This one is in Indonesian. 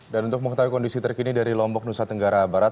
dan untuk mengetahui kondisi terkini dari lombok nusa tenggara barat